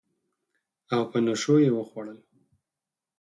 او په نشو یې وخوړل